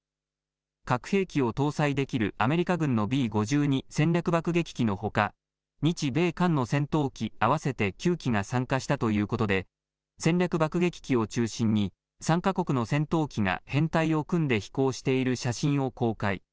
核兵器を搭載できるアメリカ軍のＢ５２戦略爆撃機のほか日米韓の戦闘機合わせて９機が参加したということで戦略爆撃機を中心に３か国の戦闘機が編隊を組んで飛行している写真を公開。